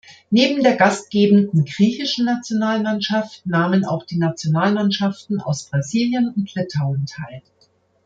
Neben der gastgebenden Griechischen Nationalmannschaft nahmen auch die Nationalmannschaften aus Brasilien und Litauen teil.